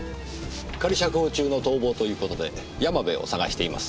仮釈放中の逃亡ということで山部を捜しています。